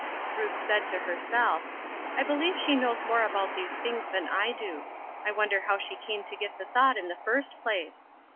Ruth said to herself, '' I believe she knows more about these things than I do ; I wonder how she came to get the thought in the first place